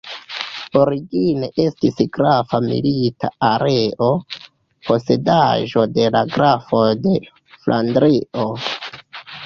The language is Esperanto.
Origine estis grafa milita areo, posedaĵo de la grafoj de Flandrio.